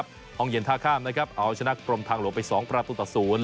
ห้องเย็นท่าข้ามนะครับเอาชนะกรมทางหลวงไป๒ประตูต่อ๐